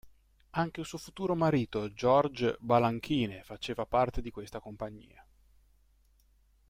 Anche il suo futuro marito George Balanchine faceva parte di questa compagnia.